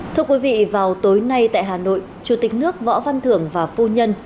thưa quý vị vào tối nay tại hà nội chủ tịch nước võ văn thưởng và phu nhân